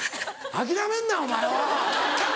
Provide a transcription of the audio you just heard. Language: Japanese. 諦めんなお前は！